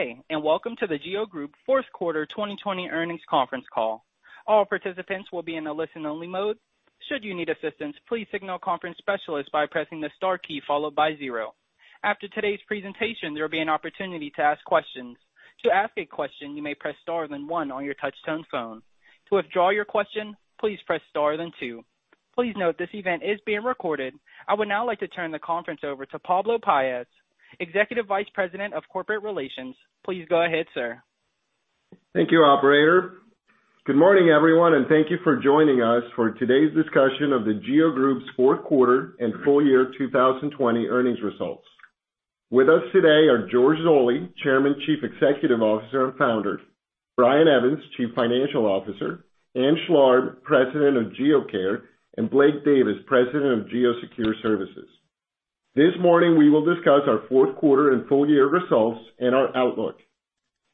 Hey, welcome to The GEO Group fourth quarter 2020 earnings conference call. All participants will be in a listen-only mode. After today's presentation, there will be an opportunity to ask questions. Please note this event is being recorded. I would now like to turn the conference over to Pablo Paez, Executive Vice President of Corporate Relations. Please go ahead, sir. Thank you, operator. Good morning, everyone, thank you for joining us for today's discussion of The GEO Group's fourth quarter and full year 2020 earnings results. With us today are George Zoley, Chairman, Chief Executive Officer, and Founder; Brian Evans, Chief Financial Officer; Ann Schlarb, President of GEO Care; and Blake Davis, President of GEO Secure Services. This morning, we will discuss our fourth quarter and full-year results and our outlook.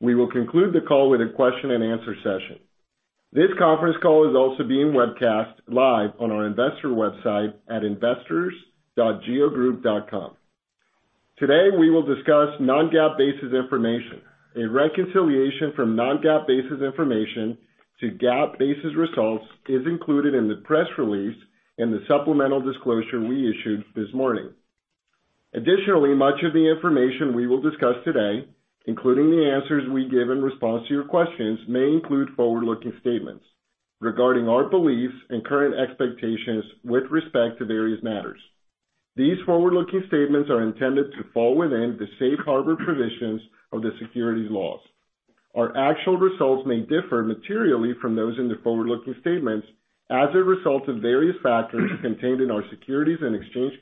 We will conclude the call with a question and answer session. This conference call is also being webcast live on our investor website at investors.geogroup.com. Today, we will discuss non-GAAP basis information. A reconciliation from non-GAAP basis information to GAAP basis results is included in the press release and the supplemental disclosure we issued this morning. Much of the information we will discuss today, including the answers we give in response to your questions, may include forward-looking statements regarding our beliefs and current expectations with respect to various matters. These forward-looking statements are intended to fall within the safe harbor provisions of the securities laws. Our actual results may differ materially from those in the forward-looking statements as a result of various factors contained in our Securities and Exchange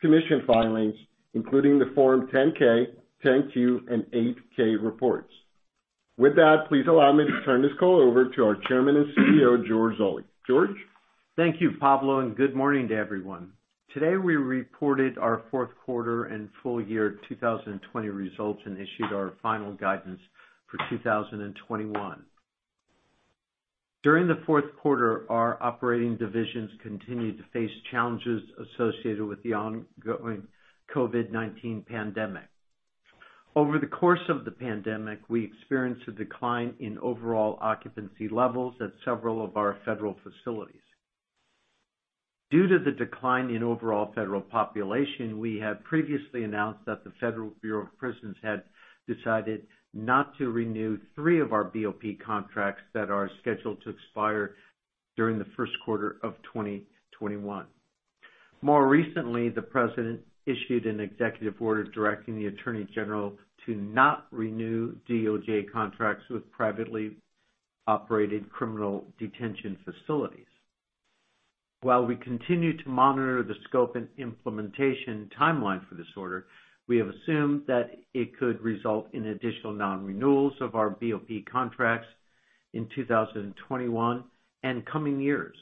Commission filings, including the Form 10-K, 10-Q, and 8-K reports. With that, please allow me to turn this call over to our Chairman and CEO, George Zoley. George? Thank you, Pablo, and good morning to everyone. Today, we reported our fourth quarter and full year 2020 results and issued our final guidance for 2021. During the fourth quarter, our operating divisions continued to face challenges associated with the ongoing COVID-19 pandemic. Over the course of the pandemic, we experienced a decline in overall occupancy levels at several of our federal facilities. Due to the decline in overall federal population, we had previously announced that the Federal Bureau of Prisons had decided not to renew three of our BOP contracts that are scheduled to expire during the first quarter of 2021. More recently, the President issued an executive order directing the Attorney General to not renew DOJ contracts with privately operated criminal detention facilities. While we continue to monitor the scope and implementation timeline for this order, we have assumed that it could result in additional non-renewals of our BOP contracts in 2021 and coming years,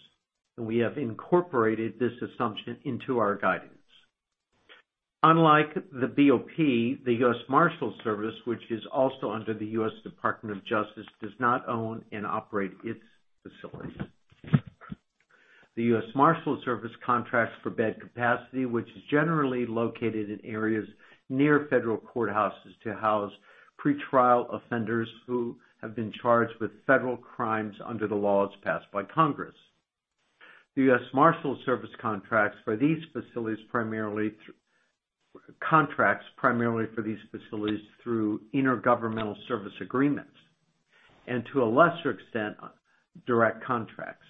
and we have incorporated this assumption into our guidance. Unlike the BOP, the U.S. Marshals Service, which is also under the U.S. Department of Justice, does not own and operate its facilities. The U.S. Marshals Service contracts for bed capacity, which is generally located in areas near federal courthouses to house pretrial offenders who have been charged with federal crimes under the laws passed by Congress. The U.S. Marshals Service contracts primarily for these facilities through intergovernmental service agreements and, to a lesser extent, direct contracts.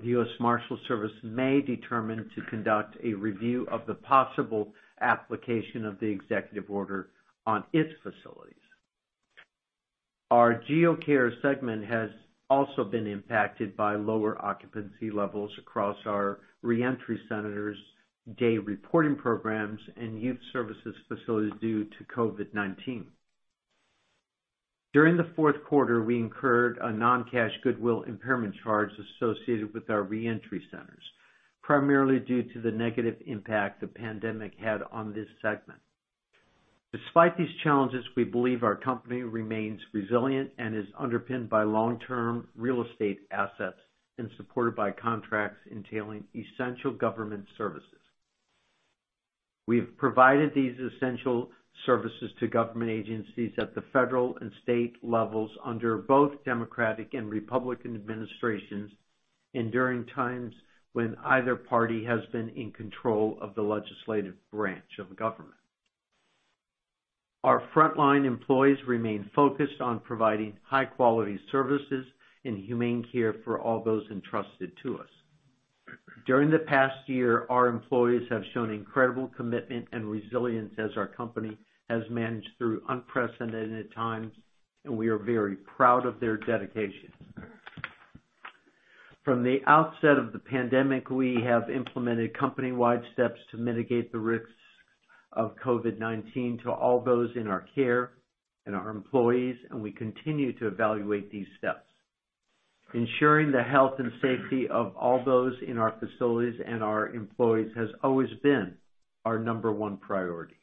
The U.S. Marshals Service may determine to conduct a review of the possible application of the executive order on its facilities. Our GEO Care segment has also been impacted by lower occupancy levels across our reentry centers, day reporting programs, and youth services facilities due to COVID-19. During the fourth quarter, we incurred a non-cash goodwill impairment charge associated with our reentry centers, primarily due to the negative impact the pandemic had on this segment. Despite these challenges, we believe our company remains resilient and is underpinned by long-term real estate assets and supported by contracts entailing essential government services. We have provided these essential services to government agencies at the federal and state levels under both Democratic and Republican administrations and during times when either party has been in control of the legislative branch of government. Our frontline employees remain focused on providing high-quality services and humane care for all those entrusted to us. During the past year, our employees have shown incredible commitment and resilience as our company has managed through unprecedented times, and we are very proud of their dedication. From the outset of the pandemic, we have implemented company-wide steps to mitigate the risks of COVID-19 to all those in our care and our employees, and we continue to evaluate these steps. Ensuring the health and safety of all those in our facilities and our employees has always been our number one priority.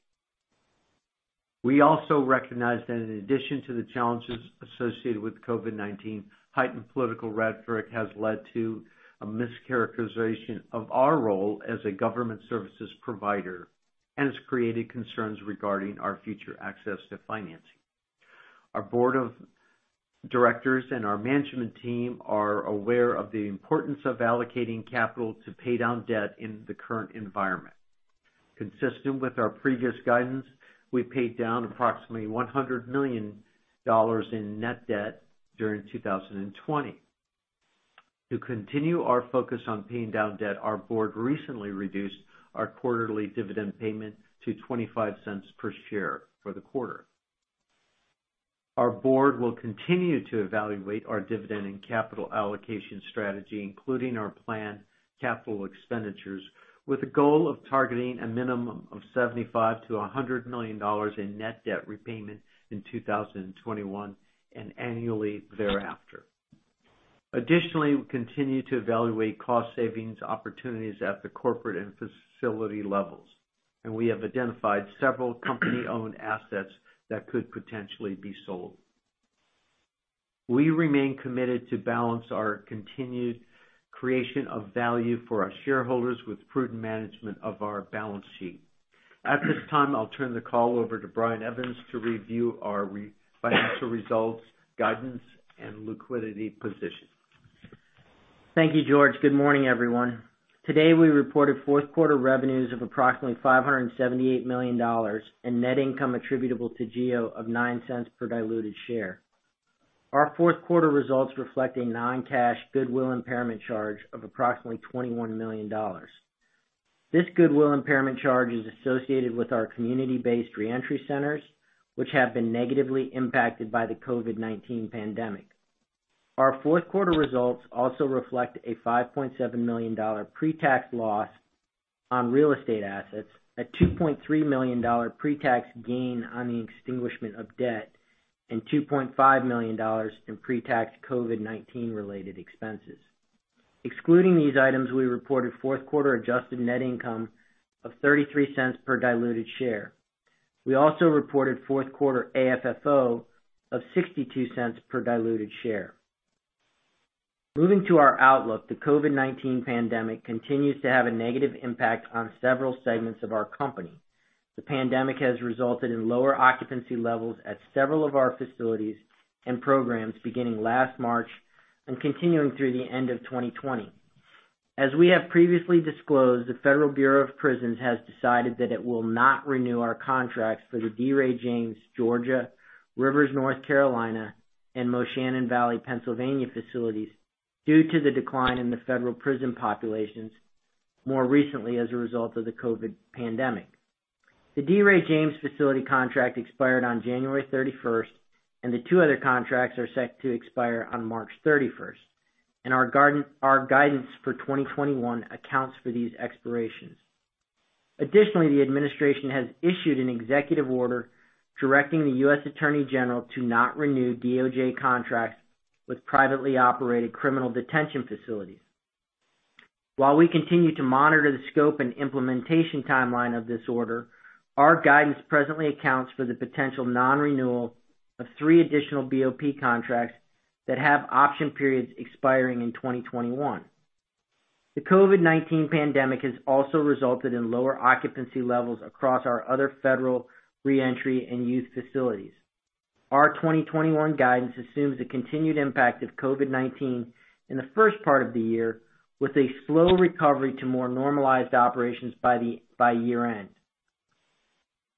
We also recognize that in addition to the challenges associated with COVID-19, heightened political rhetoric has led to a mischaracterization of our role as a government services provider and has created concerns regarding our future access to financing. Our board of directors and our management team are aware of the importance of allocating capital to pay down debt in the current environment. Consistent with our previous guidance, we paid down approximately $100 million in net debt during 2020. To continue our focus on paying down debt, our board recently reduced our quarterly dividend payment to $0.25 per share for the quarter. Our board will continue to evaluate our dividend and capital allocation strategy, including our planned capital expenditures, with a goal of targeting a minimum of $75 million-$100 million in net debt repayment in 2021 and annually thereafter. Additionally, we continue to evaluate cost savings opportunities at the corporate and facility levels, and we have identified several company-owned assets that could potentially be sold. We remain committed to balance our continued creation of value for our shareholders with prudent management of our balance sheet. At this time, I'll turn the call over to Brian Evans to review our financial results, guidance, and liquidity position. Thank you, George. Good morning, everyone. Today, we reported fourth quarter revenues of approximately $578 million and net income attributable to GEO of $0.09 per diluted share. Our fourth quarter results reflect a non-cash goodwill impairment charge of approximately $21 million. This goodwill impairment charge is associated with our community-based reentry centers, which have been negatively impacted by the COVID-19 pandemic. Our fourth quarter results also reflect a $5.7 million pre-tax loss on real estate assets, a $2.3 million pre-tax gain on the extinguishment of debt, and $2.5 million in pre-tax COVID-19 related expenses. Excluding these items, we reported fourth quarter adjusted net income of $0.33 per diluted share. We also reported fourth quarter AFFO of $0.62 per diluted share. Moving to our outlook, the COVID-19 pandemic continues to have a negative impact on several segments of our company. The pandemic has resulted in lower occupancy levels at several of our facilities and programs beginning last March and continuing through the end of 2020. As we have previously disclosed, the Federal Bureau of Prisons has decided that it will not renew our contracts for the D. Ray James, Georgia, Rivers, North Carolina, and Moshannon Valley, Pennsylvania facilities due to the decline in the federal prison populations, more recently as a result of the COVID-19 pandemic. The D. Ray James facility contract expired on January 31st, and the two other contracts are set to expire on March 31st, and our guidance for 2021 accounts for these expirations. The administration has issued an executive order directing the U.S. Attorney General to not renew DOJ contracts with privately operated criminal detention facilities. While we continue to monitor the scope and implementation timeline of this order, our guidance presently accounts for the potential non-renewal of three additional BOP contracts that have option periods expiring in 2021. The COVID-19 pandemic has also resulted in lower occupancy levels across our other federal reentry and youth facilities. Our 2021 guidance assumes the continued impact of COVID-19 in the first part of the year, with a slow recovery to more normalized operations by year-end.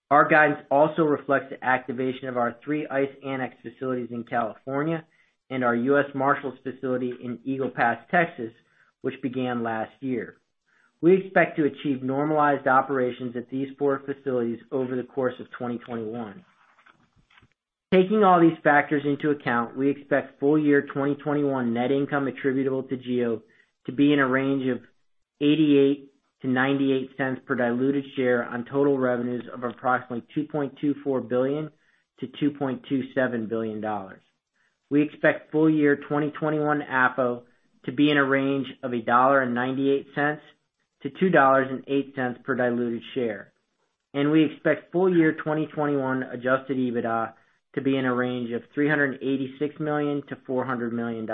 Our guidance also reflects the activation of our three ICE annex facilities in California and our U.S. Marshals facility in Eagle Pass, Texas, which began last year. We expect to achieve normalized operations at these four facilities over the course of 2021. Taking all these factors into account, we expect full year 2021 net income attributable to GEO to be in a range of $0.88-$0.98 per diluted share on total revenues of approximately $2.24 billion-$2.27 billion. We expect full year 2021 AFFO to be in a range of $1.98-$2.08 per diluted share, and we expect full year 2021 Adjusted EBITDA to be in a range of $386 million-$400 million.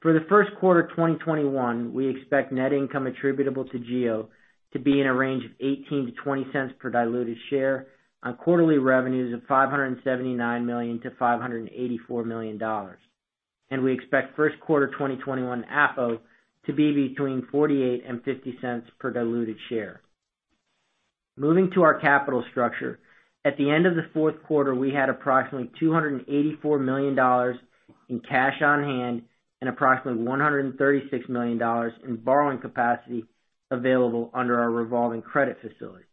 For the first quarter 2021, we expect net income attributable to GEO to be in a range of $0.18-$0.20 per diluted share on quarterly revenues of $579 million-$584 million. We expect first quarter 2021 AFFO to be between $0.48 and $0.50 per diluted share. Moving to our capital structure. At the end of the fourth quarter, we had approximately $284 million in cash on hand and approximately $136 million in borrowing capacity available under our revolving credit facility,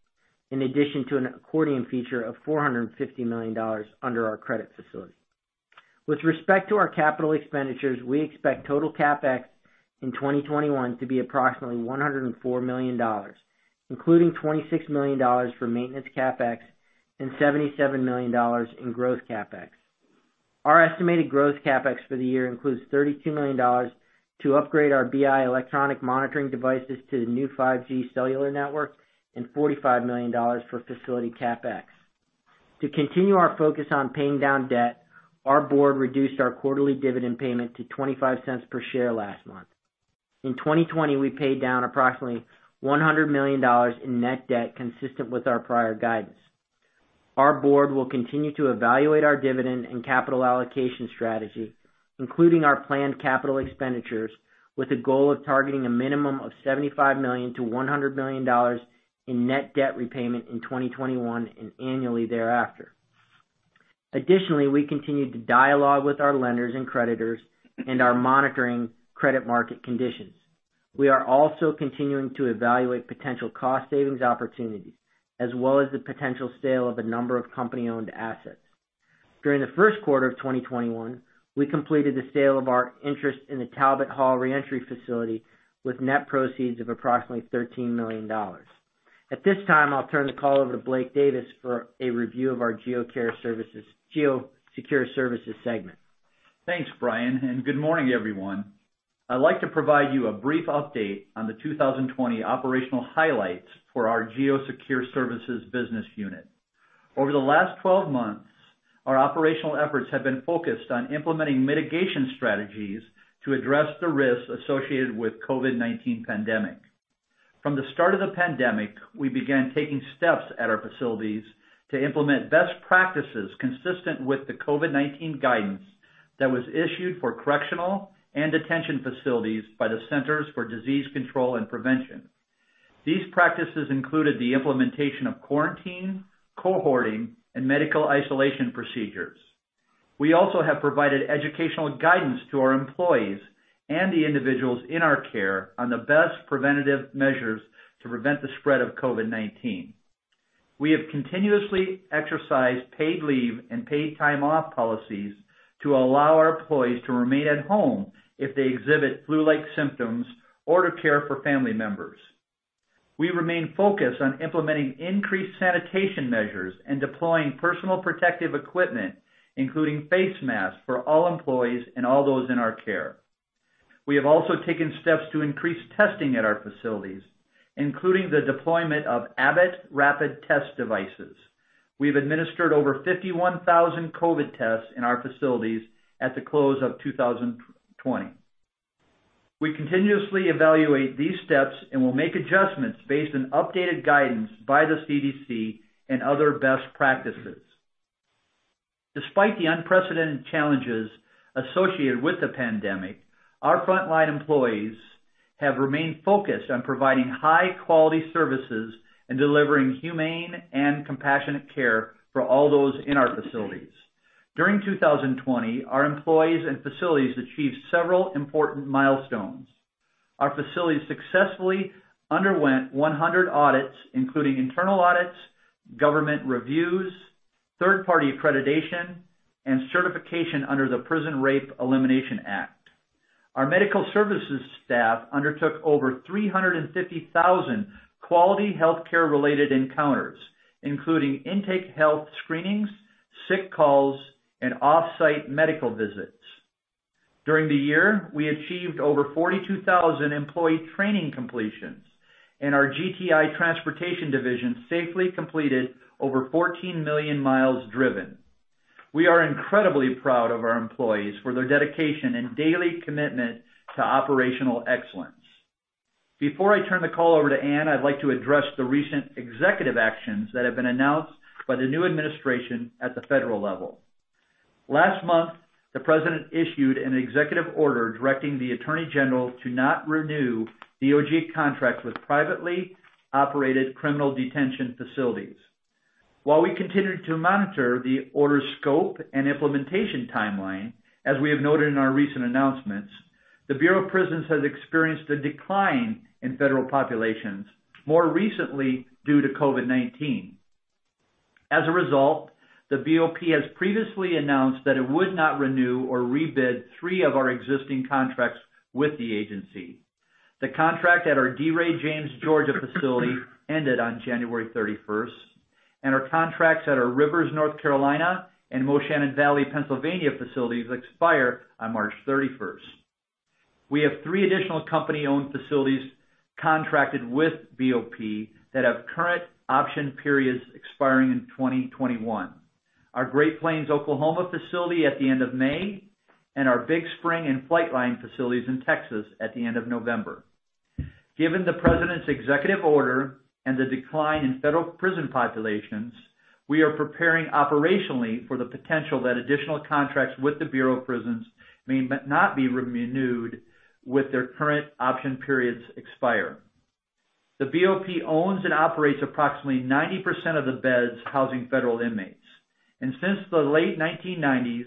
in addition to an accordion feature of $450 million under our credit facility. With respect to our capital expenditures, we expect total CapEx in 2021 to be approximately $104 million, including $26 million for maintenance CapEx and $77 million in growth CapEx. Our estimated growth CapEx for the year includes $32 million to upgrade our BI electronic monitoring devices to the new 5G cellular network and $45 million for facility CapEx. To continue our focus on paying down debt, our board reduced our quarterly dividend payment to $0.25 per share last month. In 2020, we paid down approximately $100 million in net debt, consistent with our prior guidance. Our board will continue to evaluate our dividend and capital allocation strategy, including our planned capital expenditures, with a goal of targeting a minimum of $75 million to $100 million in net debt repayment in 2021 and annually thereafter. Additionally, we continue to dialogue with our lenders and creditors and are monitoring credit market conditions. We are also continuing to evaluate potential cost savings opportunities, as well as the potential sale of a number of company-owned assets. During the first quarter of 2021, we completed the sale of our interest in the Talbot Hall Reentry Facility with net proceeds of approximately $13 million. At this time, I'll turn the call over to Blake Davis for a review of our GEO Secure Services segment. Thanks, Brian, and good morning, everyone. I'd like to provide you a brief update on the 2020 operational highlights for our GEO Secure Services business unit. Over the last 12 months, our operational efforts have been focused on implementing mitigation strategies to address the risks associated with COVID-19 pandemic. From the start of the pandemic, we began taking steps at our facilities to implement best practices consistent with the COVID-19 guidance that was issued for correctional and detention facilities by the Centers for Disease Control and Prevention. These practices included the implementation of quarantine, cohorting, and medical isolation procedures. We also have provided educational guidance to our employees and the individuals in our care on the best preventative measures to prevent the spread of COVID-19. We have continuously exercised paid leave and paid time off policies to allow our employees to remain at home if they exhibit flu-like symptoms or to care for family members. We remain focused on implementing increased sanitation measures and deploying personal protective equipment, including face masks for all employees and all those in our care. We have also taken steps to increase testing at our facilities, including the deployment of Abbott rapid test devices. We've administered over 51,000 COVID tests in our facilities at the close of 2020. We continuously evaluate these steps and will make adjustments based on updated guidance by the CDC and other best practices. Despite the unprecedented challenges associated with the pandemic, our frontline employees have remained focused on providing high-quality services and delivering humane and compassionate care for all those in our facilities. During 2020, our employees and facilities achieved several important milestones. Our facilities successfully underwent 100 audits, including internal audits, government reviews, third-party accreditation, and certification under the Prison Rape Elimination Act. Our medical services staff undertook over 350,000 quality healthcare-related encounters, including intake health screenings, sick calls, and off-site medical visits. During the year, we achieved over 42,000 employee training completions, and our GTI Transportation division safely completed over 14 million miles driven. We are incredibly proud of our employees for their dedication and daily commitment to operational excellence. Before I turn the call over to Ann, I'd like to address the recent executive actions that have been announced by the new administration at the federal level. Last month, the President issued an executive order directing the Attorney General to not renew DOJ contracts with privately operated criminal detention facilities. While we continue to monitor the order's scope and implementation timeline, as we have noted in our recent announcements, the Bureau of Prisons has experienced a decline in federal populations, more recently due to COVID-19. As a result, the BOP has previously announced that it would not renew or rebid three of our existing contracts with the agency. The contract at our D. Ray James, Georgia facility ended on January 31st, and our contracts at our Rivers, North Carolina, and Moshannon Valley, Pennsylvania facilities expire on March 31st. We have three additional company-owned facilities contracted with BOP that have current option periods expiring in 2021. Our Great Plains, Oklahoma facility at the end of May, and our Big Spring and Flightline facilities in Texas at the end of November. Given the president's executive order and the decline in federal prison populations, we are preparing operationally for the potential that additional contracts with the Bureau of Prisons may not be renewed with their current option periods expire. The BOP owns and operates approximately 90% of the beds housing federal inmates. Since the late 1990s,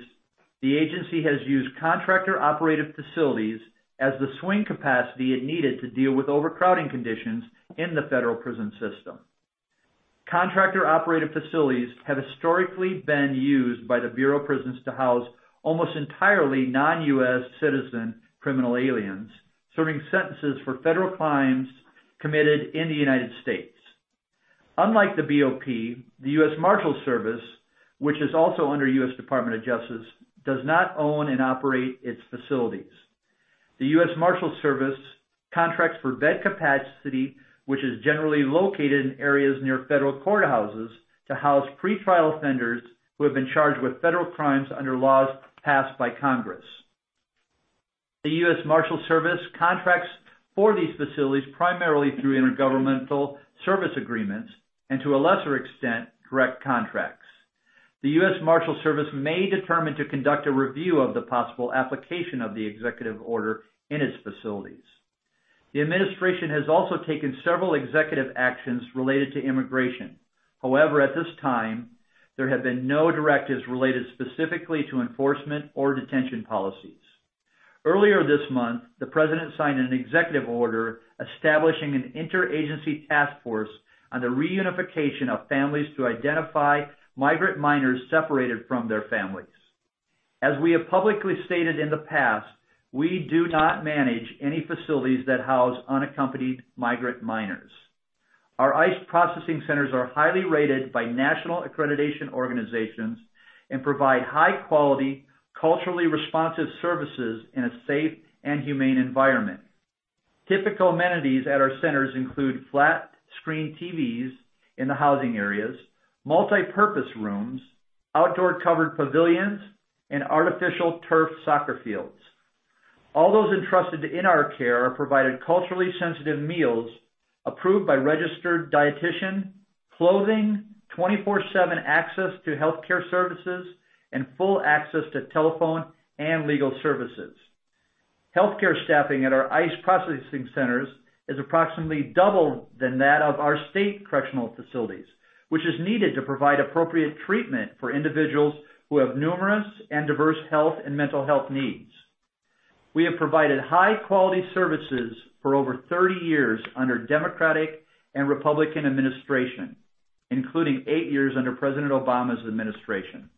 the agency has used contractor-operated facilities as the swing capacity it needed to deal with overcrowding conditions in the federal prison system. Contractor-operated facilities have historically been used by the Bureau of Prisons to house almost entirely non-U.S. citizen criminal aliens serving sentences for federal crimes committed in the U.S. Unlike the BOP, the U.S. Marshals Service, which is also under U.S. Department of Justice, does not own and operate its facilities. The U.S. Marshals Service contracts for bed capacity, which is generally located in areas near federal courthouses to house pretrial offenders who have been charged with federal crimes under laws passed by Congress. The U.S. Marshals Service contracts for these facilities primarily through intergovernmental service agreements and, to a lesser extent, direct contracts. The U.S. Marshals Service may determine to conduct a review of the possible application of the executive order in its facilities. The administration has also taken several executive actions related to immigration. However, at this time, there have been no directives related specifically to enforcement or detention policies. Earlier this month, the president signed an executive order establishing an inter-agency task force on the reunification of families to identify migrant minors separated from their families. As we have publicly stated in the past, we do not manage any facilities that house unaccompanied migrant minors. Our ICE processing centers are highly rated by national accreditation organizations and provide high-quality, culturally responsive services in a safe and humane environment. Typical amenities at our centers include flat-screen TVs in the housing areas, multipurpose rooms, outdoor covered pavilions, and artificial turf soccer fields. All those entrusted in our care are provided culturally sensitive meals approved by a registered dietitian, clothing, 24/7 access to healthcare services, and full access to telephone and legal services. Healthcare staffing at our ICE processing centers is approximately double than that of our state correctional facilities, which is needed to provide appropriate treatment for individuals who have numerous and diverse health and mental health needs. We have provided high-quality services for over 30 years under Democratic and Republican administration, including eight years under President Obama's administration,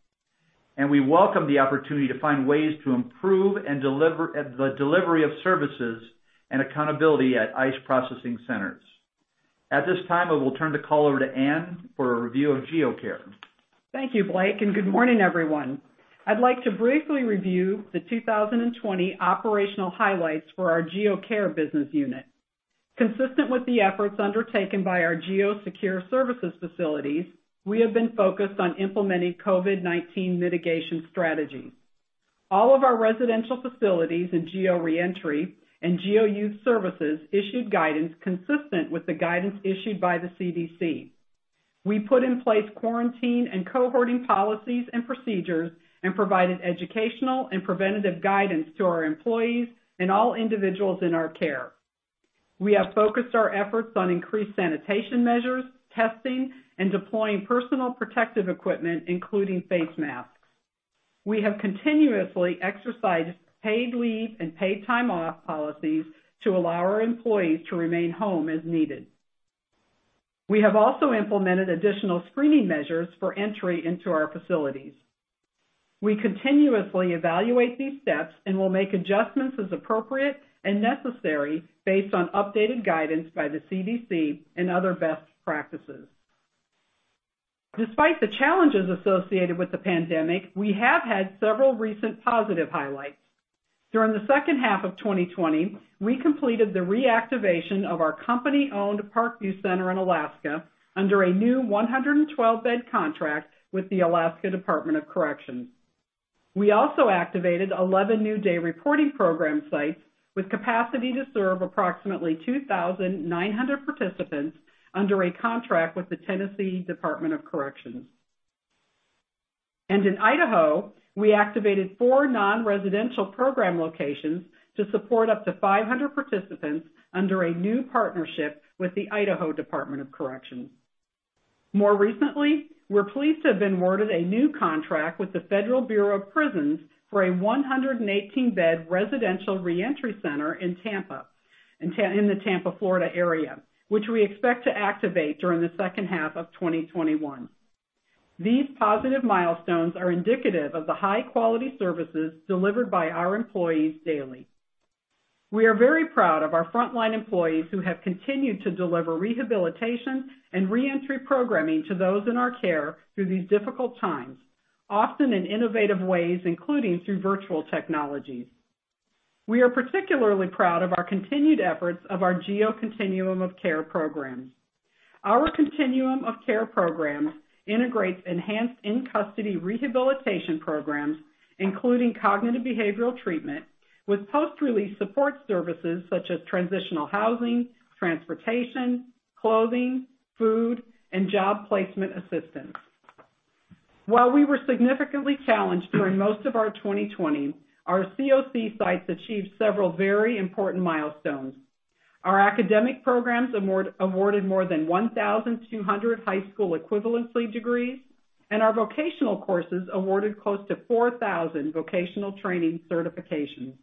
and we welcome the opportunity to find ways to improve the delivery of services and accountability at ICE processing centers. At this time, I will turn the call over to Ann for a review of GEO Care. Thank you, Blake, and good morning, everyone. I'd like to briefly review the 2020 operational highlights for our GEO Care business unit. Consistent with the efforts undertaken by our GEO Secure Services facilities, we have been focused on implementing COVID-19 mitigation strategies. All of our residential facilities in GEO Reentry and GEO Youth Services issued guidance consistent with the guidance issued by the CDC. We put in place quarantine and cohorting policies and procedures and provided educational and preventative guidance to our employees and all individuals in our care. We have focused our efforts on increased sanitation measures, testing, and deploying personal protective equipment, including face masks. We have continuously exercised paid leave and paid time off policies to allow our employees to remain home as needed. We have also implemented additional screening measures for entry into our facilities. We continuously evaluate these steps and will make adjustments as appropriate and necessary based on updated guidance by the CDC and other best practices. Despite the challenges associated with the pandemic, we have had several recent positive highlights. During the second half of 2020, we completed the reactivation of our company-owned Parkview Center in Alaska under a new 112-bed contract with the Alaska Department of Corrections. We also activated 11 new day reporting program sites with capacity to serve approximately 2,900 participants under a contract with the Tennessee Department of Corrections. In Idaho, we activated four non-residential program locations to support up to 500 participants under a new partnership with the Idaho Department of Corrections. More recently, we're pleased to have been awarded a new contract with the Federal Bureau of Prisons for a 118-bed residential reentry center in the Tampa, Florida area, which we expect to activate during the second half of 2021. These positive milestones are indicative of the high-quality services delivered by our employees daily. We are very proud of our frontline employees who have continued to deliver rehabilitation and reentry programming to those in our care through these difficult times, often in innovative ways, including through virtual technologies. We are particularly proud of our continued efforts of our GEO Continuum of Care programs. Our Continuum of Care programs integrates enhanced in-custody rehabilitation programs, including cognitive behavioral treatment, with post-release support services such as transitional housing, transportation, clothing, food, and job placement assistance. While we were significantly challenged during most of our 2020, our CoC sites achieved several very important milestones. Our academic programs awarded more than 1,200 high school equivalency degrees, and our vocational courses awarded close to 4,000 vocational training certifications.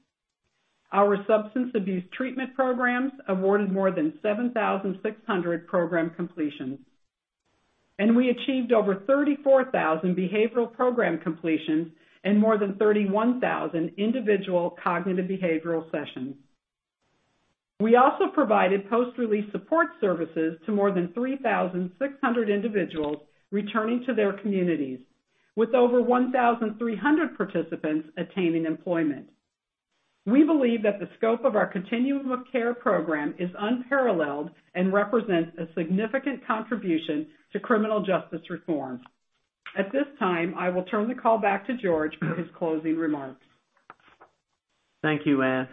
Our substance abuse treatment programs awarded more than 7,600 program completions, and we achieved over 34,000 behavioral program completions and more than 31,000 individual cognitive behavioral sessions. We also provided post-release support services to more than 3,600 individuals returning to their communities, with over 1,300 participants attaining employment. We believe that the scope of our Continuum of Care program is unparalleled and represents a significant contribution to criminal justice reform. At this time, I will turn the call back to George for his closing remarks. Thank you, Ann.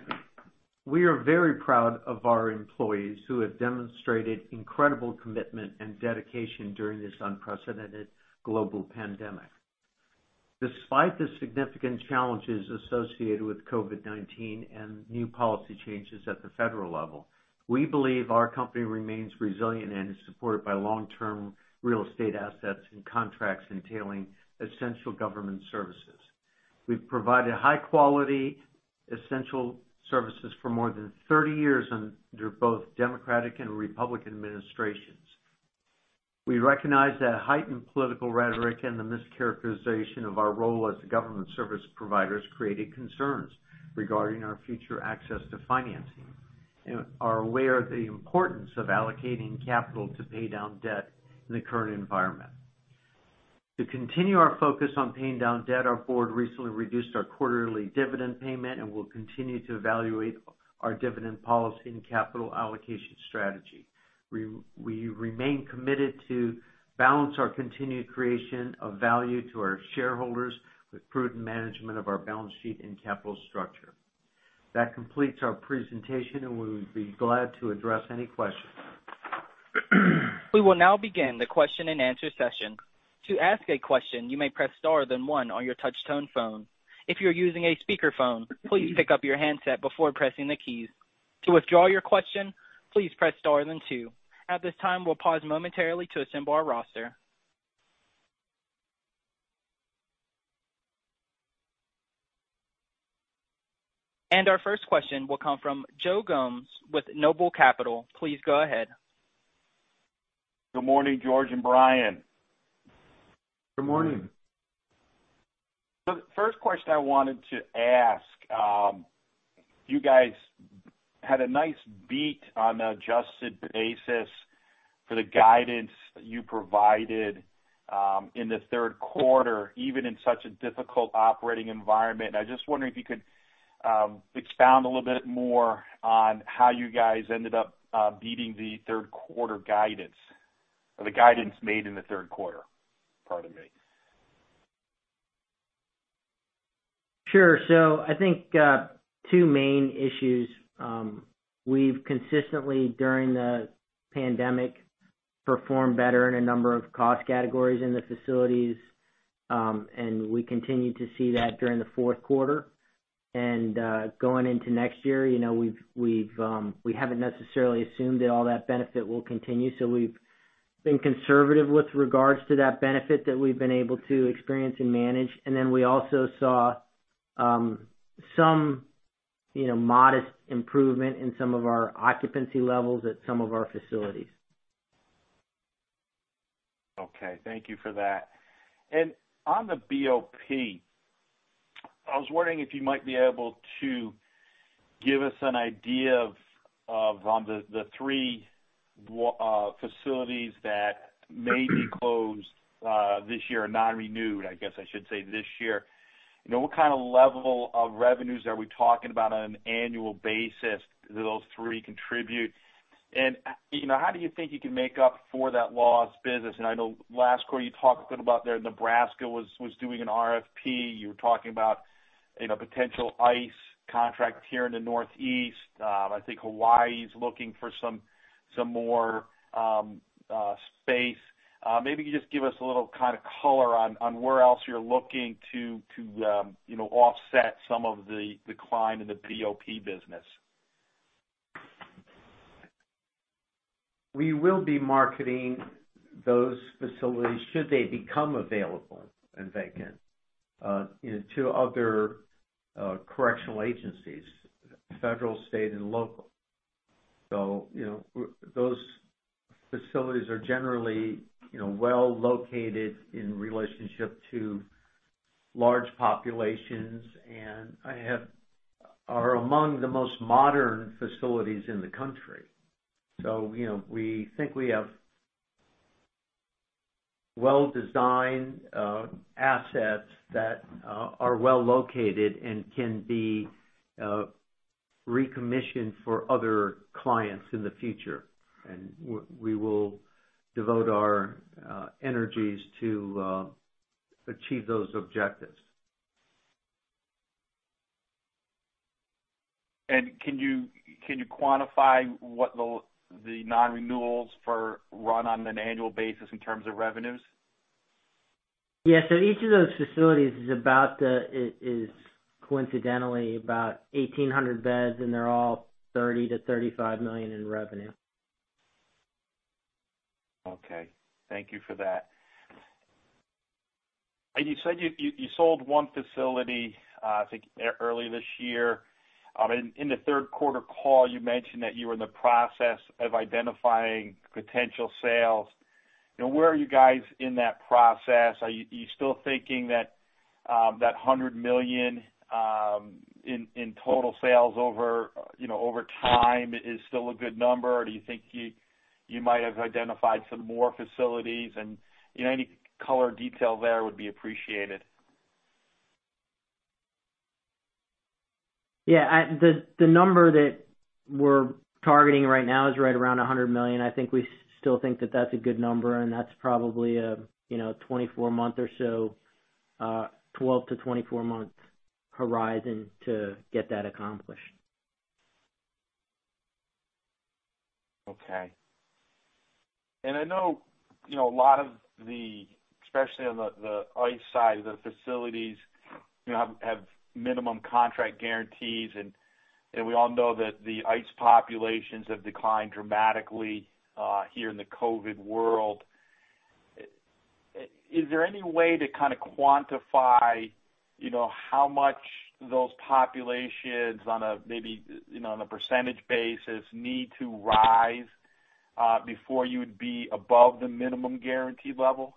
We are very proud of our employees who have demonstrated incredible commitment and dedication during this unprecedented global pandemic. Despite the significant challenges associated with COVID-19 and new policy changes at the federal level, we believe our company remains resilient and is supported by long-term real estate assets and contracts entailing essential government services. We've provided high-quality, essential services for more than 30 years under both Democratic and Republican administrations. We recognize that heightened political rhetoric and the mischaracterization of our role as a government service provider has created concerns regarding our future access to financing, and are aware of the importance of allocating capital to pay down debt in the current environment. To continue our focus on paying down debt, our board recently reduced our quarterly dividend payment and will continue to evaluate our dividend policy and capital allocation strategy. We remain committed to balance our continued creation of value to our shareholders with prudent management of our balance sheet and capital structure. That completes our presentation. We would be glad to address any questions. We will now begin the question and answer session. To ask a question, you may press star then one on your touch-tone phone. If you're using a speakerphone, please pick up your handset before pressing the keys. To withdraw your question, please press star then two. At this time, we'll pause momentarily to assemble our roster. Our first question will come from Joe Gomes with Noble Capital. Please go ahead. Good morning, George and Brian. Good morning. The first question I wanted to ask. You guys had a nice beat on the adjusted basis for the guidance that you provided in the third quarter, even in such a difficult operating environment, and I just wonder if you could expound a little bit more on how you guys ended up beating the third quarter guidance, or the guidance made in the third quarter. Pardon me. Sure. I think two main issues. We've consistently, during the pandemic, performed better in a number of cost categories in the facilities, and we continue to see that during the fourth quarter. Going into next year, we haven't necessarily assumed that all that benefit will continue, so we've been conservative with regards to that benefit that we've been able to experience and manage. Then we also saw some modest improvement in some of our occupancy levels at some of our facilities. Okay. Thank you for that. On the BOP, I was wondering if you might be able to give us an idea of, on the three facilities that may be closed this year, or non-renewed, I guess I should say, this year. What kind of level of revenues are we talking about on an annual basis that those three contribute? How do you think you can make up for that lost business? I know last quarter you talked a bit about their Nebraska was doing an RFP. You were talking about potential ICE contracts here in the Northeast. I think Hawaii's looking for some more space. Maybe you can just give us a little kind of color on where else you're looking to offset some of the decline in the BOP business. We will be marketing those facilities, should they become available and vacant, to other correctional agencies, federal, state, and local. Those facilities are generally well-located in relationship to large populations and are among the most modern facilities in the country. We think we have well-designed assets that are well-located and can be recommissioned for other clients in the future. We will devote our energies to achieve those objectives. Can you quantify what the non-renewals run on an annual basis in terms of revenues? Yeah. Each of those facilities is coincidentally about 1,800 beds, and they're all $30 million-$35 million in revenue. Okay. Thank you for that. You said you sold one facility, I think, early this year. In the third quarter call, you mentioned that you were in the process of identifying potential sales. Where are you guys in that process? Are you still thinking that $100 million in total sales over time is still a good number? Do you think you might have identified some more facilities? Any color or detail there would be appreciated. Yeah. The number that we're targeting right now is right around $100 million. I think we still think that that's a good number. That's probably a 24 month or so, 12-24 month horizon to get that accomplished. Okay. I know a lot of the, especially on the ICE side of the facilities, have minimum contract guarantees, and we all know that the ICE populations have declined dramatically here in the COVID world. Is there any way to kind of quantify how much those populations on a, maybe on a percentage basis, need to rise before you would be above the minimum guarantee level?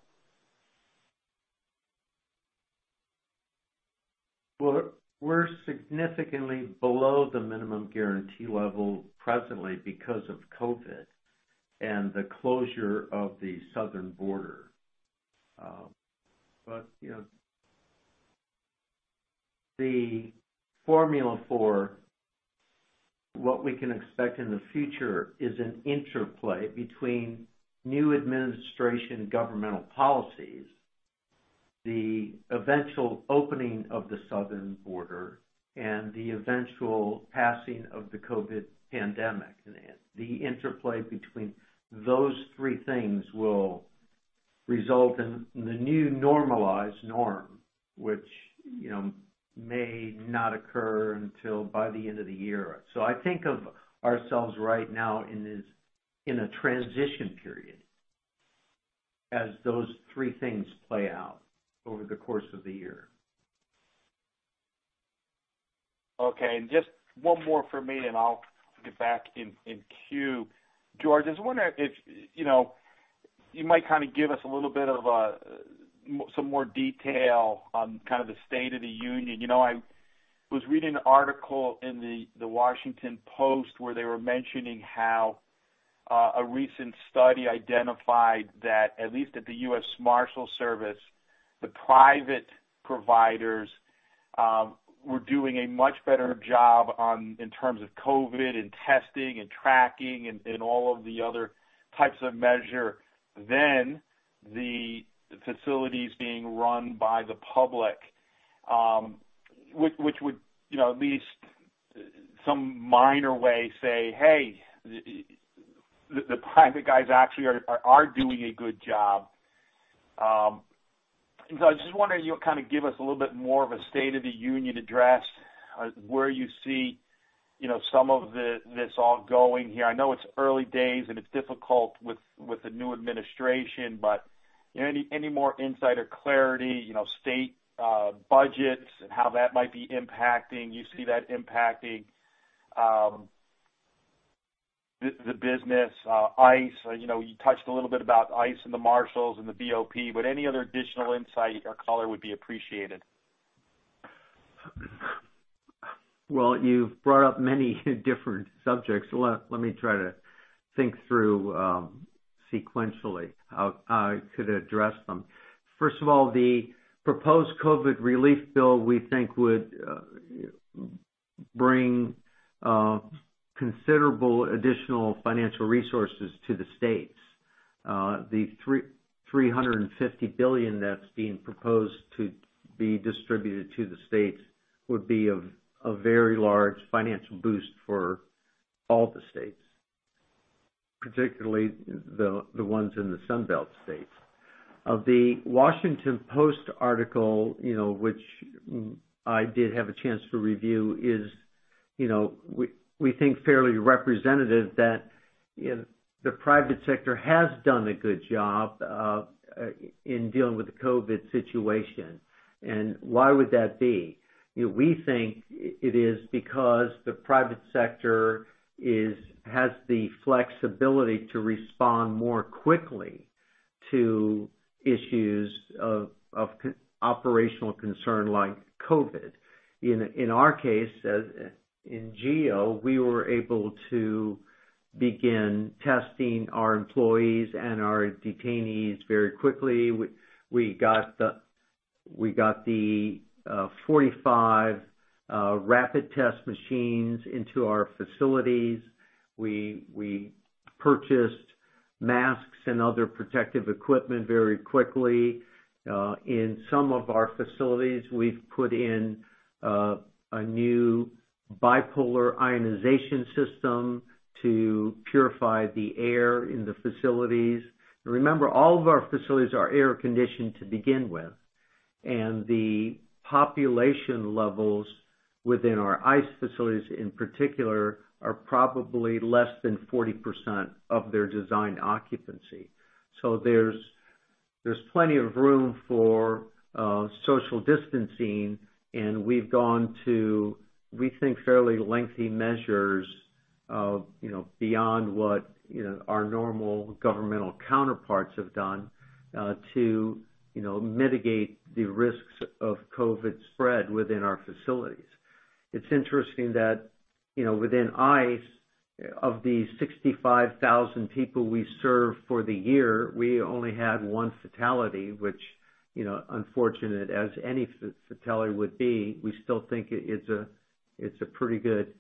Well, we're significantly below the minimum guarantee level presently because of COVID and the closure of the southern border. The formula for what we can expect in the future is an interplay between new administration governmental policies, the eventual opening of the southern border, and the eventual passing of the COVID pandemic. The interplay between those three things will result in the new normalized norm, which may not occur until by the end of the year. I think of ourselves right now in a transition period as those three things play out over the course of the year. Okay, just one more from me, then I'll get back in queue. George, I was wondering if you might kind of give us some more detail on kind of the state of the union. I was reading an article in The Washington Post where they were mentioning how a recent study identified that, at least at the U.S. Marshals Service, the private providers were doing a much better job in terms of COVID and testing and tracking and all of the other types of measure than the facilities being run by the public, which would at least some minor way say, "Hey, the private guys actually are doing a good job." I was just wondering if you'll kind of give us a little bit more of a state of the union address, where you see some of this all going here. I know it's early days and it's difficult with the new administration, but any more insight or clarity, state budgets and how that might be impacting, you see that impacting the business, ICE? You touched a little bit about ICE and the Marshals and the BOP, but any other additional insight or color would be appreciated. Well, you've brought up many different subjects. Let me try to think through sequentially how I could address them. First of all, the proposed COVID relief bill, we think would bring considerable additional financial resources to the states. The $350 billion that's being proposed to be distributed to the states would be a very large financial boost for all the states, particularly the ones in the Sun Belt states. Of The Washington Post article, which I did have a chance to review is, we think fairly representative that the private sector has done a good job in dealing with the COVID situation. Why would that be? We think it is because the private sector has the flexibility to respond more quickly to issues of operational concern like COVID. In our case, in GEO, we were able to begin testing our employees and our detainees very quickly. We got the 45 rapid test machines into our facilities. We purchased masks and other protective equipment very quickly. In some of our facilities, we've put in a new bipolar ionization system to purify the air in the facilities. Remember, all of our facilities are air-conditioned to begin with, and the population levels within our ICE facilities in particular, are probably less than 40% of their design occupancy. There's plenty of room for social distancing, and we've gone to, we think, fairly lengthy measures of beyond what our normal governmental counterparts have done to mitigate the risks of COVID spread within our facilities. Within ICE, of the 65,000 people we serve for the year, we only had one fatality, which, unfortunate as any fatality would be, we still think it's a pretty good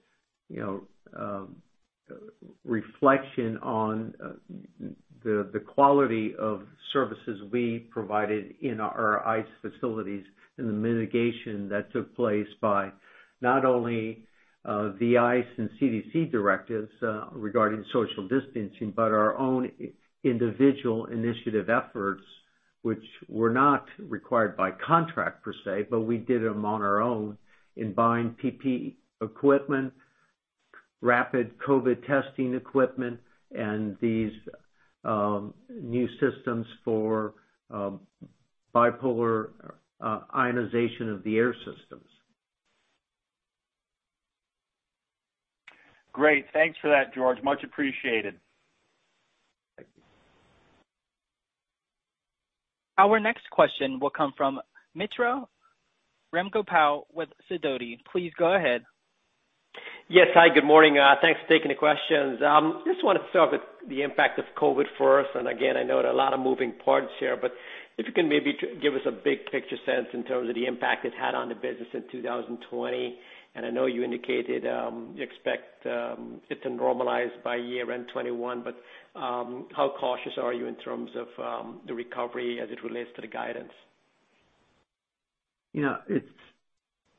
reflection on the quality of services we provided in our ICE facilities and the mitigation that took place by not only the ICE and CDC directives regarding social distancing, but our own individual initiative efforts, which were not required by contract per se, but we did them on our own in buying PPE equipment, rapid COVID testing equipment, and these new systems for bipolar ionization of the air systems. Great. Thanks for that, George. Much appreciated. Thank you. Our next question will come from Mitra Ramgopal with Sidoti. Please go ahead. Yes. Hi, good morning. Thanks for taking the questions. Just wanted to start with the impact of COVID for us, and again, I know there are a lot of moving parts here, but if you can maybe give us a big picture sense in terms of the impact it's had on the business in 2020. I know you indicated you expect it to normalize by year-end 2021, but how cautious are you in terms of the recovery as it relates to the guidance?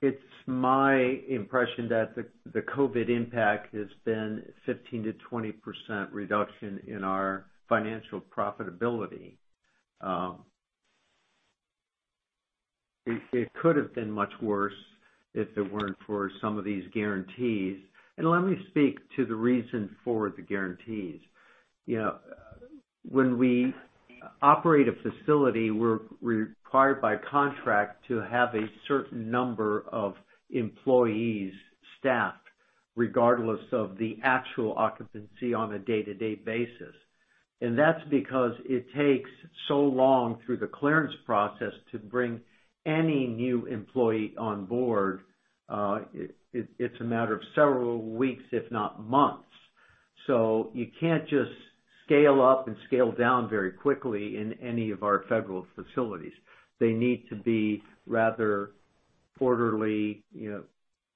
It's my impression that the COVID impact has been 15%-20% reduction in our financial profitability. It could have been much worse if it weren't for some of these guarantees. Let me speak to the reason for the guarantees. When we operate a facility, we're required by contract to have a certain number of employees staffed, regardless of the actual occupancy on a day-to-day basis. That's because it takes so long through the clearance process to bring any new employee on board. It's a matter of several weeks, if not months. You can't just scale up and scale down very quickly in any of our federal facilities. They need to be rather quarterly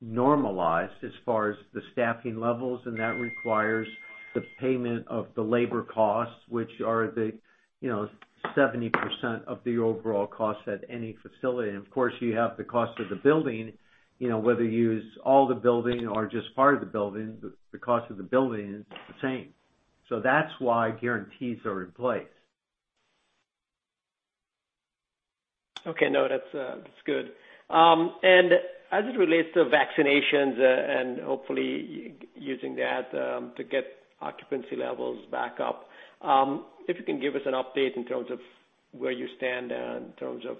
normalized as far as the staffing levels, and that requires the payment of the labor costs, which are the 70% of the overall cost at any facility. Of course, you have the cost of the building, whether you use all the building or just part of the building, the cost of the building is the same. That's why guarantees are in place. Okay. No, that's good. As it relates to vaccinations and hopefully using that to get occupancy levels back up, if you can give us an update in terms of where you stand in terms of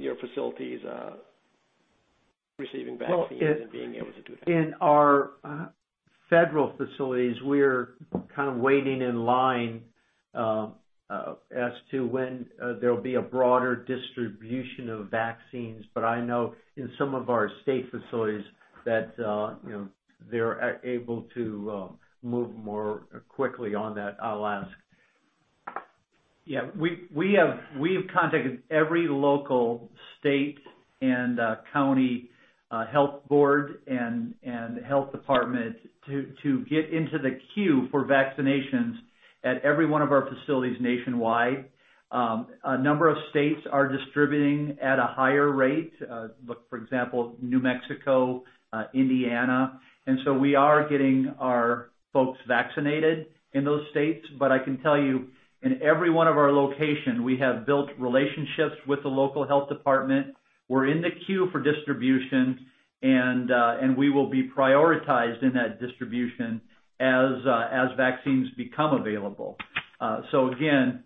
your facilities receiving vaccines and being able to do that. In our federal facilities, we're kind of waiting in line as to when there'll be a broader distribution of vaccines. I know in some of our state facilities that they're able to move more quickly on that. I'll ask. Yeah. We have contacted every local state and county health board and health department to get into the queue for vaccinations at every one of our facilities nationwide. A number of states are distributing at a higher rate. Look, for example, New Mexico, Indiana, we are getting our folks vaccinated in those states. I can tell you, in every one of our location, we have built relationships with the local health department. We're in the queue for distribution, we will be prioritized in that distribution as vaccines become available. Again,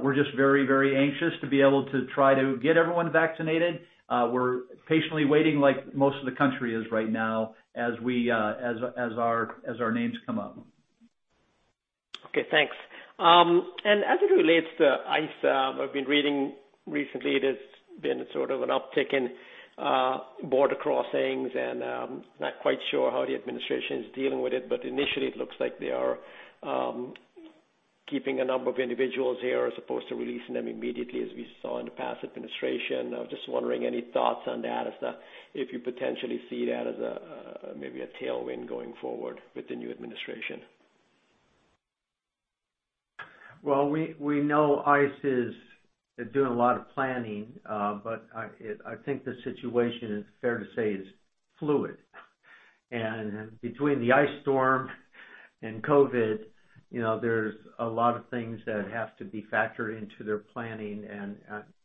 we're just very, very anxious to be able to try to get everyone vaccinated. We're patiently waiting like most of the country is right now as our names come up. Okay, thanks. As it relates to ICE, I've been reading recently, there's been sort of an uptick in border crossings and I'm not quite sure how the administration is dealing with it, but initially, it looks like they are keeping a number of individuals there as opposed to releasing them immediately as we saw in the past administration. I was just wondering, any thoughts on that, if you potentially see that as maybe a tailwind going forward with the new administration? Well, we know ICE is doing a lot of planning, but I think the situation is fair to say is fluid. Between the ice storm and COVID, there's a lot of things that have to be factored into their planning, and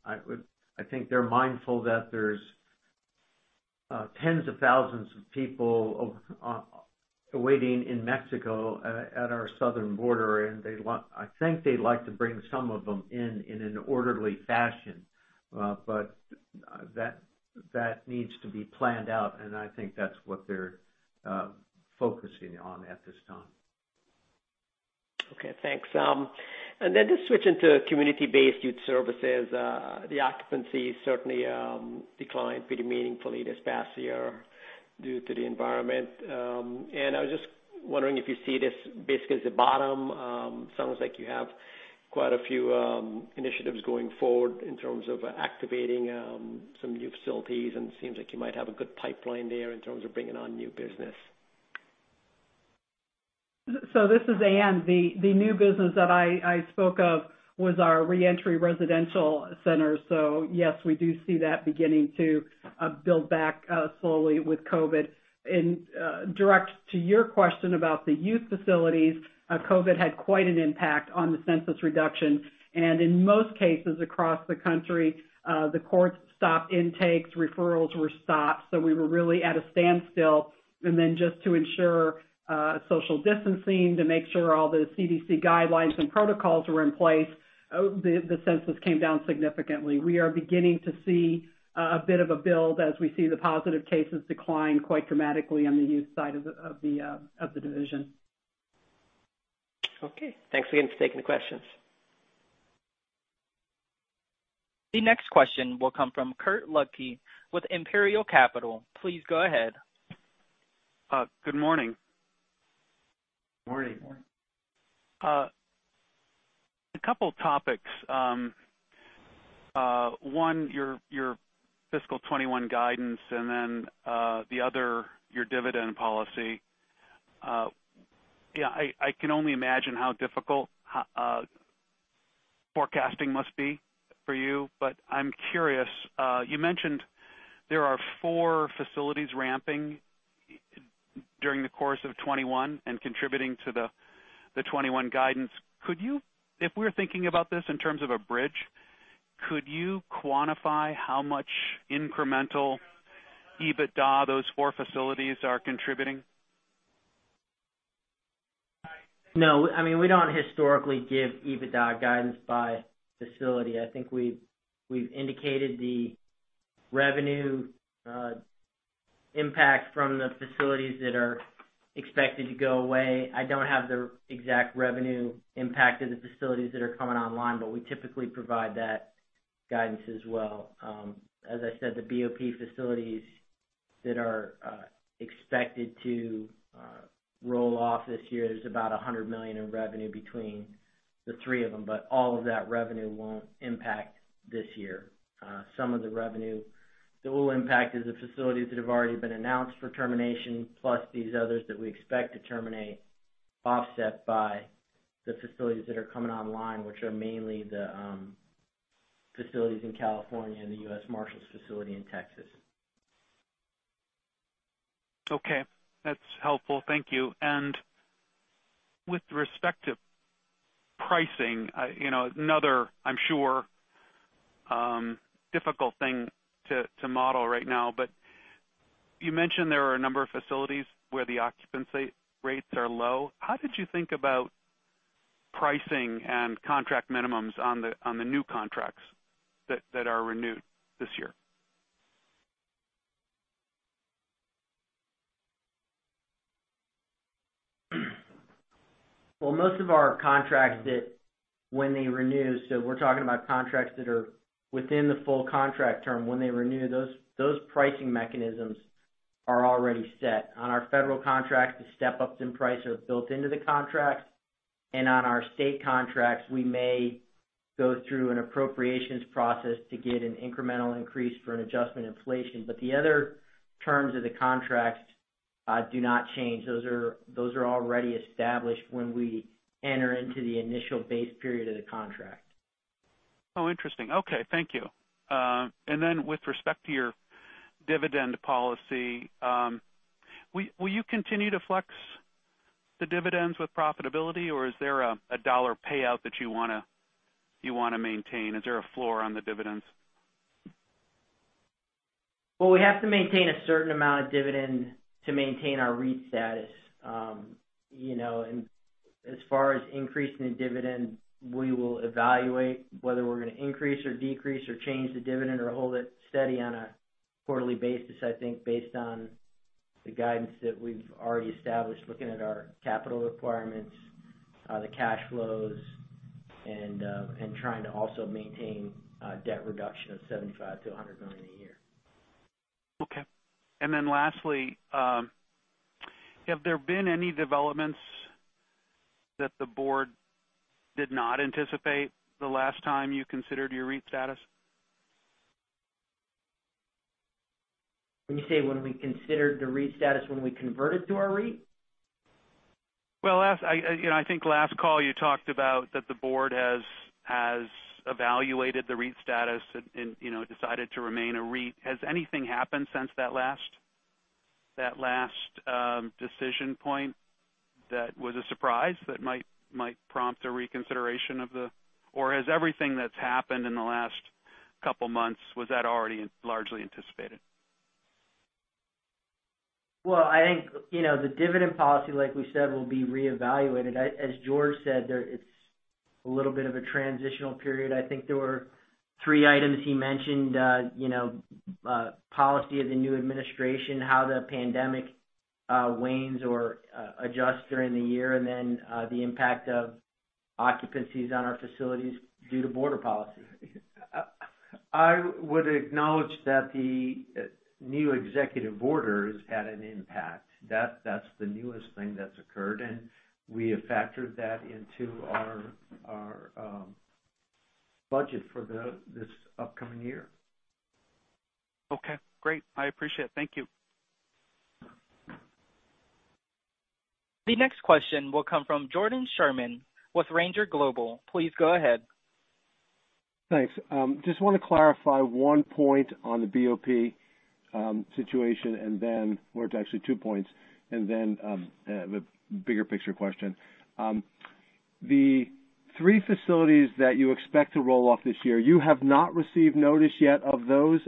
I think they're mindful that there's tens of thousands of people waiting in Mexico at our southern border, and I think they'd like to bring some of them in in an orderly fashion. That needs to be planned out, and I think that's what they're focusing on at this time. Okay, thanks. Then just switching to community-based youth services, the occupancy certainly declined pretty meaningfully this past year due to the environment. I was just wondering if you see this basically as the bottom? Sounds like you have quite a few initiatives going forward in terms of activating some new facilities, it seems like you might have a good pipeline there in terms of bringing on new business. This is Ann. The new business that I spoke of was our reentry residential center. Yes, we do see that beginning to build back slowly with COVID. Direct to your question about the youth facilities, COVID had quite an impact on the census reduction. In most cases across the country, the courts stopped intakes, referrals were stopped. We were really at a standstill. Just to ensure social distancing, to make sure all the CDC guidelines and protocols were in place, the census came down significantly. We are beginning to see a bit of a build as we see the positive cases decline quite dramatically on the youth side of the division. Okay. Thanks again for taking the questions. The next question will come from Kirk Ludtke with Imperial Capital. Please go ahead. Good morning. Morning. Morning. A couple topics. One, your fiscal 2021 guidance. The other, your dividend policy. I can only imagine how difficult forecasting must be for you. I'm curious. You mentioned there are four facilities ramping during the course of 2021 and contributing to the 2021 guidance. If we're thinking about this in terms of a bridge, could you quantify how much incremental EBITDA those four facilities are contributing? No, we don't historically give EBITDA guidance by facility. I think we've indicated the revenue impact from the facilities that are expected to go away. I don't have the exact revenue impact of the facilities that are coming online, but we typically provide that guidance as well. As I said, the BOP facilities that are expected to roll off this year, there's about $100 million in revenue between the three of them. All of that revenue won't impact this year. Some of the revenue that will impact is the facilities that have already been announced for termination, plus these others that we expect to terminate, offset by the facilities that are coming online, which are mainly the facilities in California and the U.S. Marshals facility in Texas. Okay. That's helpful. Thank you. With respect to pricing, another, I'm sure, difficult thing to model right now, but you mentioned there are a number of facilities where the occupancy rates are low. How did you think about pricing and contract minimums on the new contracts that are renewed this year? Most of our contracts that when they renew, so we're talking about contracts that are within the full contract term. When they renew, those pricing mechanisms are already set. On our federal contracts, the step-ups in price are built into the contract, and on our state contracts, we may go through an appropriations process to get an incremental increase for an adjustment inflation. The other terms of the contract do not change. Those are already established when we enter into the initial base period of the contract. Oh, interesting. Okay, thank you. With respect to your dividend policy, will you continue to flex the dividends with profitability, or is there a dollar payout that you want to maintain? Is there a floor on the dividends? Well, we have to maintain a certain amount of dividend to maintain our REIT status. As far as increasing the dividend, we will evaluate whether we are going to increase or decrease or change the dividend or hold it steady on a quarterly basis, I think, based on the guidance that we have already established, looking at our capital requirements, the cash flows, and trying to also maintain debt reduction of $75 million-$100 million a year. Okay. Lastly, have there been any developments that the board did not anticipate the last time you considered your REIT status? When you say when we considered the REIT status, when we converted to our REIT? Well, I think last call you talked about that the board has evaluated the REIT status and decided to remain a REIT. Has anything happened since that last decision point that was a surprise that might prompt a reconsideration of the. Or has everything that's happened in the last couple months, was that already largely anticipated? Well, I think, the dividend policy, like we said, will be reevaluated. As George said, there it's a little bit of a transitional period. I think there were three items he mentioned. Policy of the new administration, how the pandemic wanes or adjusts during the year, and then the impact of occupancies on our facilities due to border policy. I would acknowledge that the new executive orders had an impact. That's the newest thing that's occurred, and we have factored that into our budget for this upcoming year. Okay, great. I appreciate it. Thank you. The next question will come from Jordan Sherman with Ranger Global. Please go ahead. Thanks. Just want to clarify one point on the BOP situation, or it's actually two points, and then the bigger picture question. The three facilities that you expect to roll off this year, you have not received notice yet of those.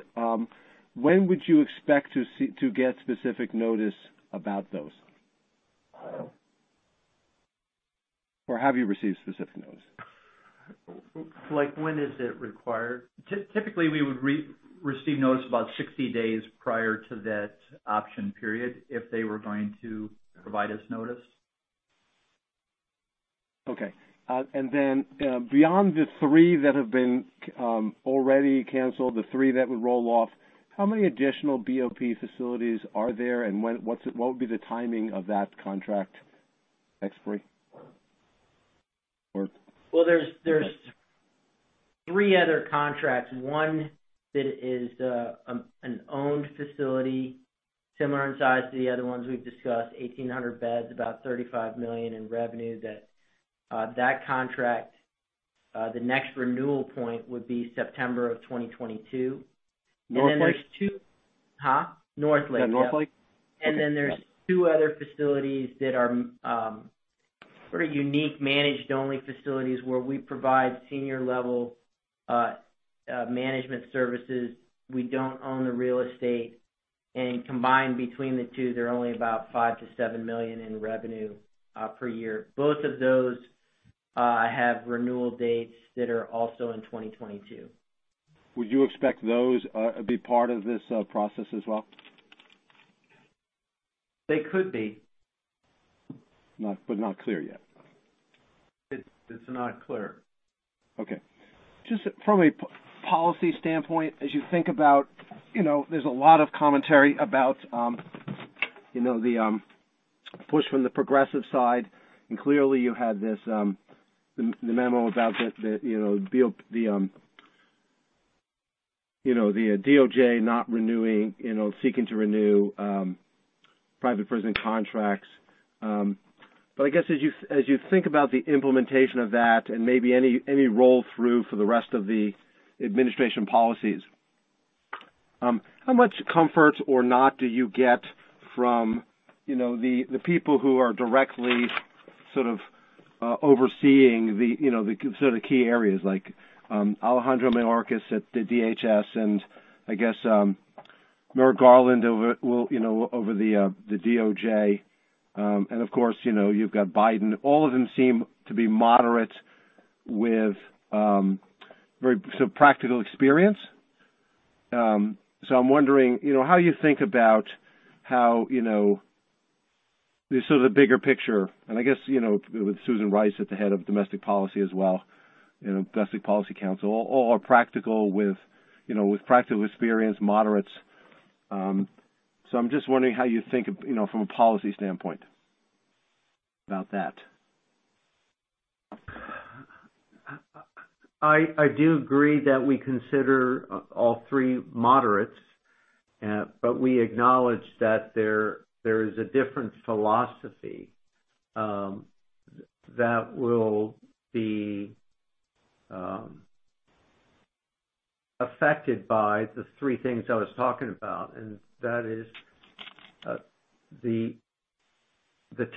When would you expect to get specific notice about those? Have you received specific notice? Like, when is it required? Typically, we would receive notice about 60 days prior to that option period if they were going to provide us notice. Okay. Then beyond the three that have been already canceled, the three that would roll off, how many additional BOP facilities are there, and what would be the timing of that contract expiry? Well, there's three other contracts. One that is an owned facility similar in size to the other ones we've discussed, 1,800 beds, about $35 million in revenue. That contract, the next renewal point would be September of 2022. North Lake? There's two. Huh? North Lake, yeah. Is that North Lake? Okay. There's two other facilities that are sort of unique managed-only facilities where we provide senior-level management services. We don't own the real estate, combined between the two, they're only about $5 million-$7 million in revenue per year. Both of those have renewal dates that are also in 2022. Would you expect those to be part of this process as well? They could be. Not clear yet. It's not clear. Okay. Just from a policy standpoint, as you think about, there's a lot of commentary about the push from the progressive side, and clearly you have the memo about the DOJ not seeking to renew private prison contracts. I guess, as you think about the implementation of that and maybe any roll-through for the rest of the administration policies, how much comfort or not do you get from the people who are directly sort of overseeing the sort of key areas, like Alejandro Mayorkas at the DHS and, I guess, Merrick Garland over the DOJ, and of course, you've got Biden. All of them seem to be moderate with very practical experience. I'm wondering how you think about how the bigger picture, and I guess with Susan Rice at the head of domestic policy as well, Domestic Policy Council, all are practical with practical experience, moderates. I'm just wondering how you think from a policy standpoint about that. I do agree that we consider all three moderates, but we acknowledge that there is a different philosophy that will be affected by the three things I was talking about. That is the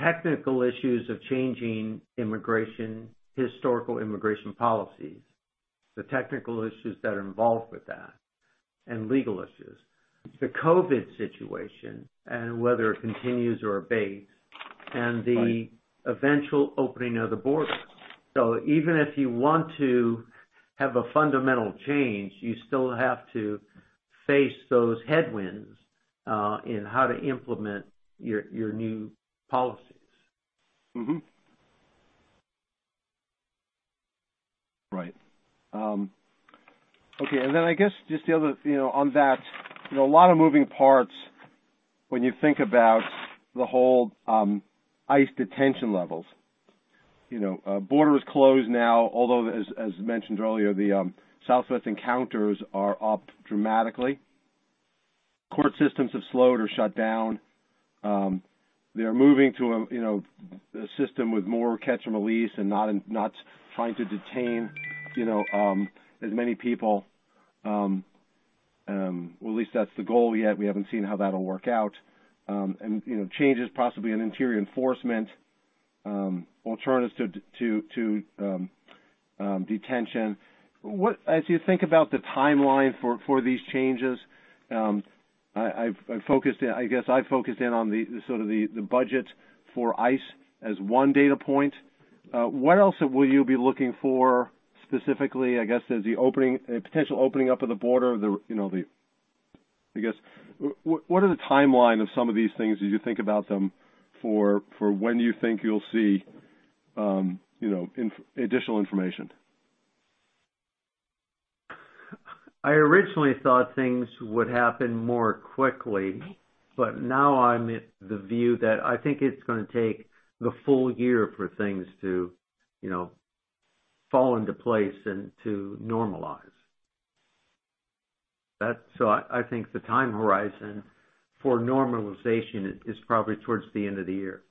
technical issues of changing historical immigration policies, the technical issues that are involved with that, and legal issues. The COVID situation and whether it continues or abates, and the eventual opening of the border. Even if you want to have a fundamental change, you still have to face those headwinds in how to implement your new policies. Mm-hmm. Right. Okay. Then I guess just the other, on that, a lot of moving parts when you think about the whole ICE detention levels. Border is closed now, although, as mentioned earlier, the Southwest encounters are up dramatically. Court systems have slowed or shut down. They are moving to a system with more catch and release and not trying to detain as many people. Well, at least that's the goal. We haven't seen how that'll work out. Changes possibly in interior enforcement, alternatives to detention. As you think about the timeline for these changes, I guess I focused in on the budget for ICE as one data point. What else will you be looking for specifically, I guess, as the potential opening up of the border? I guess, what are the timeline of some of these things as you think about them for when you think you'll see additional information? I originally thought things would happen more quickly. Now I'm of the view that I think it's going to take the full year for things to fall into place and to normalize. I think the time horizon for normalization is probably towards the end of the year.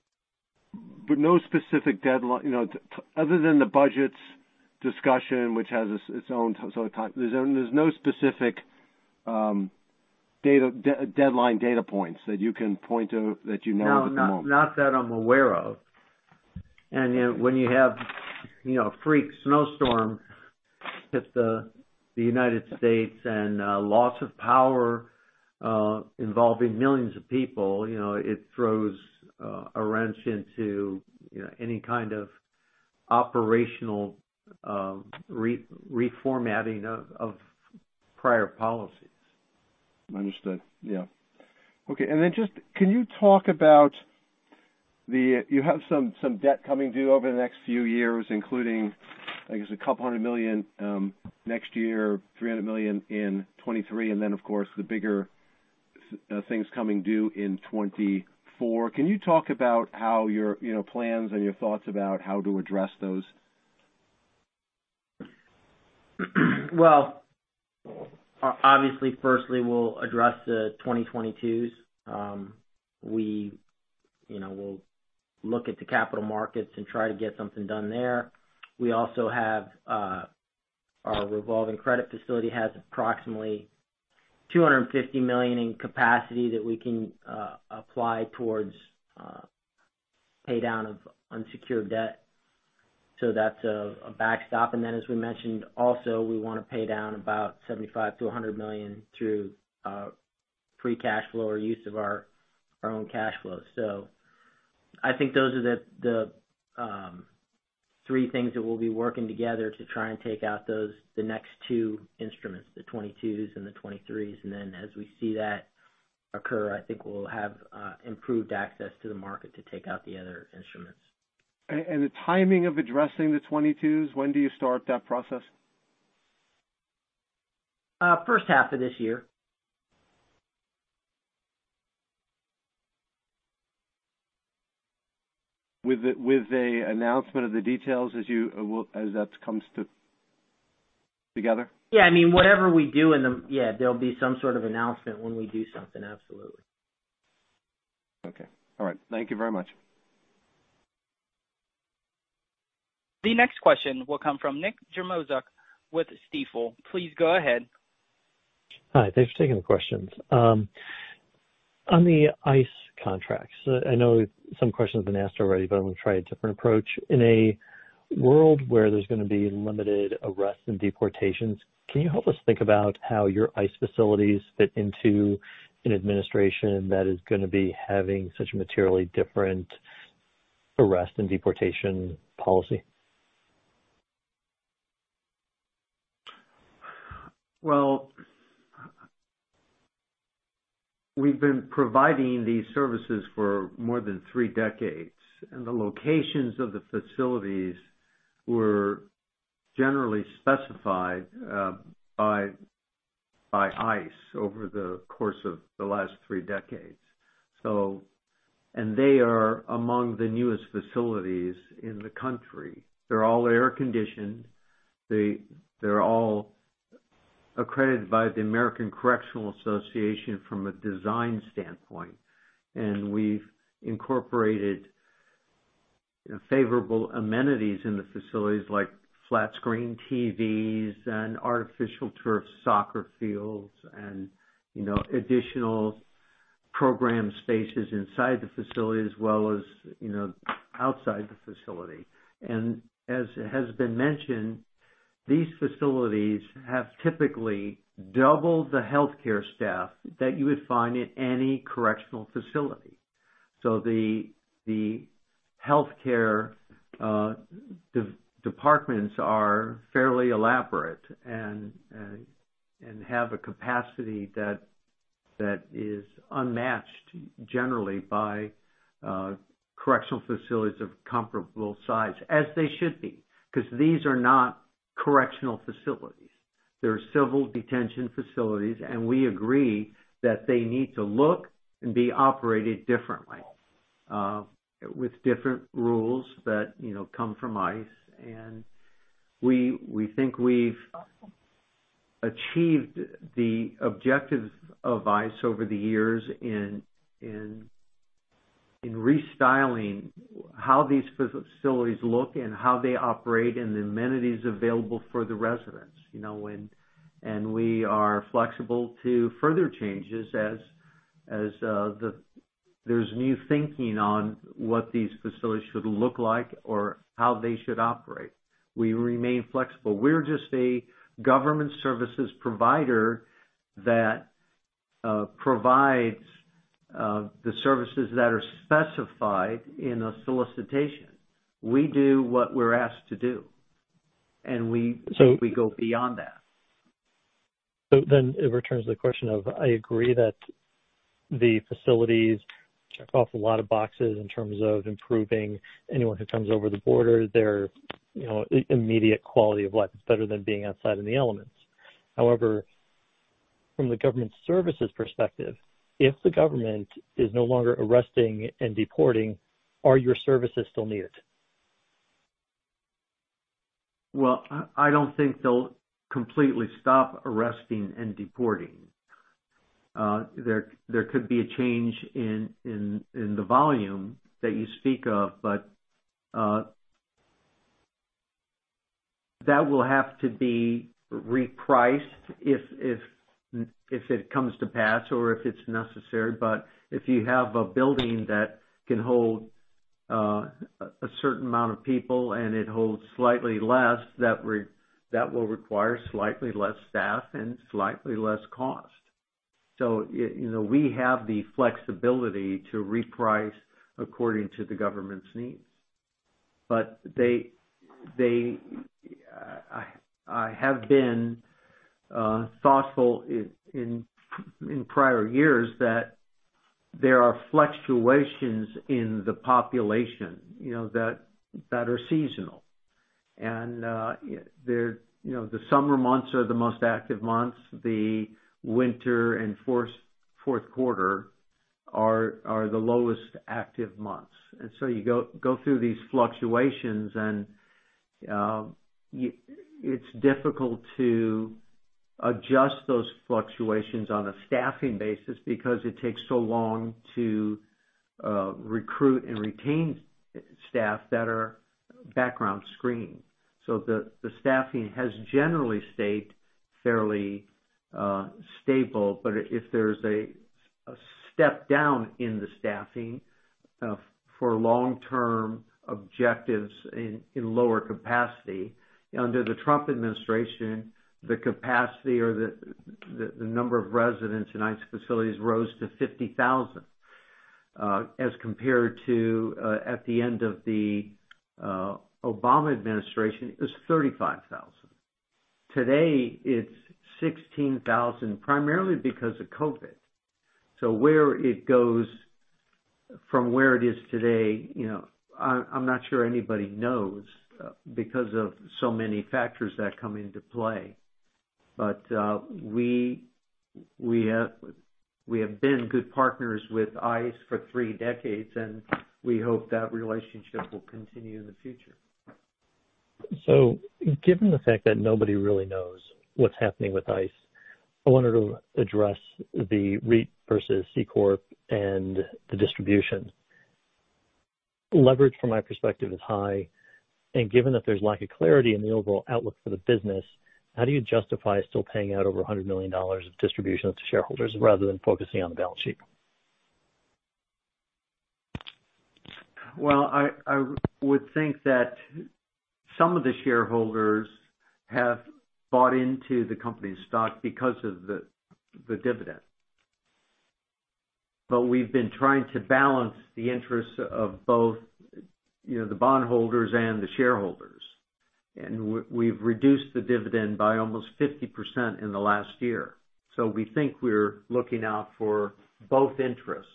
No specific deadline. Other than the budget discussion, which has its own sort of time, there's no specific deadline data points that you can point to that you know at the moment. No, not that I'm aware of. When you have a freak snowstorm hit the United States and loss of power involving millions of people, it throws a wrench into any kind of operational reformatting of prior policies. Understood. Yeah. Okay. You have some debt coming due over the next few years, including, I guess, a couple hundred million dollars next year, $300 million in 2023, and then, of course, the bigger things coming due in 2024. Can you talk about your plans and your thoughts about how to address those? Obviously, firstly, we'll address the 2022s. We'll look at the capital markets and try to get something done there. We also have our revolving credit facility has approximately $250 million in capacity that we can apply towards pay down of unsecured debt. That's a backstop. As we mentioned, also, we want to pay down about $75 million-$100 million through free cash flow or use of our own cash flow. I think those are the three things that we'll be working together to try and take out those, the next two instruments, the 2022s and the 2023s. As we see that occur, I think we'll have improved access to the market to take out the other instruments. The timing of addressing the 2022s, when do you start that process? First half of this year. With a announcement of the details as that comes together? Yeah. There'll be some sort of announcement when we do something. Absolutely. Okay. All right. Thank you very much. The next question will come from Nick Jarmoszuk with Stifel. Please go ahead. Hi, thanks for taking the questions. On the ICE contracts, I know some questions have been asked already. I'm going to try a different approach. In a world where there's going to be limited arrests and deportations, can you help us think about how your ICE facilities fit into an administration that is going to be having such a materially different arrest and deportation policy? Well, we've been providing these services for more than three decades, the locations of the facilities were generally specified by ICE over the course of the last three decades. They are among the newest facilities in the country. They're all air-conditioned. They're all accredited by the American Correctional Association from a design standpoint. We've incorporated favorable amenities in the facilities like flat screen TVs and artificial turf soccer fields and additional program spaces inside the facility as well as outside the facility. As has been mentioned, these facilities have typically double the healthcare staff that you would find in any correctional facility. The healthcare departments are fairly elaborate and have a capacity that is unmatched generally by correctional facilities of comparable size, as they should be, because these are not correctional facilities. They're civil detention facilities. We agree that they need to look and be operated differently, with different rules that come from ICE. We think we've achieved the objectives of ICE over the years in restyling how these facilities look and how they operate and the amenities available for the residents. We are flexible to further changes as there's new thinking on what these facilities should look like or how they should operate. We remain flexible. We're just a government services provider that provides the services that are specified in a solicitation. We do what we're asked to do, and we go beyond that. It returns to the question of, I agree that the facilities check off a lot of boxes in terms of improving anyone who comes over the border, their immediate quality of life is better than being outside in the elements. From the government services perspective, if the government is no longer arresting and deporting, are your services still needed? Well, I don't think they'll completely stop arresting and deporting. There could be a change in the volume that you speak of, that will have to be repriced if it comes to pass or if it's necessary. If you have a building that can hold a certain amount of people and it holds slightly less, that will require slightly less staff and slightly less cost. We have the flexibility to reprice according to the government's needs. I have been thoughtful in prior years that there are fluctuations in the population that are seasonal. The summer months are the most active months. The winter and fourth quarter are the lowest active months. You go through these fluctuations, and it's difficult to adjust those fluctuations on a staffing basis because it takes so long to recruit and retain staff that are background screened. The staffing has generally stayed fairly stable. If there's a step down in the staffing for long-term objectives in lower capacity under the Trump administration, the capacity or the number of residents in ICE facilities rose to 50,000 as compared to, at the end of the Obama administration, it was 35,000. Today, it's 16,000, primarily because of COVID. Where it goes from where it is today, I'm not sure anybody knows because of so many factors that come into play. We have been good partners with ICE for three decades, and we hope that relationship will continue in the future. Given the fact that nobody really knows what's happening with ICE, I wanted to address the REIT versus C corp and the distribution. Leverage from my perspective is high, and given that there's lack of clarity in the overall outlook for the business, how do you justify still paying out over $100 million of distribution to shareholders rather than focusing on the balance sheet? I would think that some of the shareholders have bought into the company's stock because of the dividend. We've been trying to balance the interests of both the bond holders and the shareholders, and we've reduced the dividend by almost 50% in the last year. We think we're looking out for both interests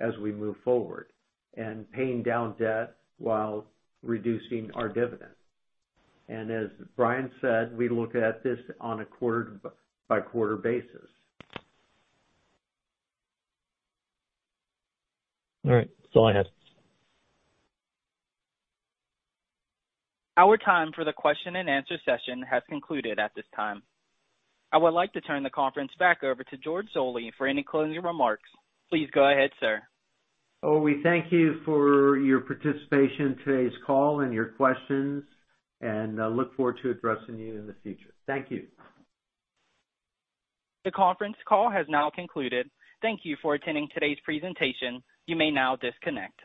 as we move forward and paying down debt while reducing our dividend. As Brian said, we look at this on a quarter-by-quarter basis. All right. That's all I had. Our time for the question and answer session has concluded at this time. I would like to turn the conference back over to George Zoley for any closing remarks. Please go ahead, sir. We thank you for your participation in today's call and your questions, and I look forward to addressing you in the future. Thank you. The conference call has now concluded. Thank you for attending today's presentation. You may now disconnect.